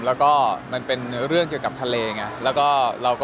แล้วก็มันเป็นเรื่องเกี่ยวกับทะเลไง